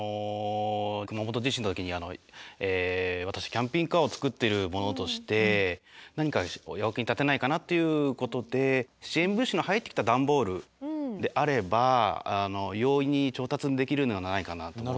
熊本地震の時に私キャンピングカーを作っている者として何かお役に立てないかなということで支援物資の入ってきた段ボールであれば容易に調達できるのではないかなと。